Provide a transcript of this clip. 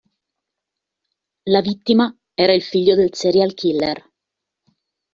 La vittima era il figlio del serial killer.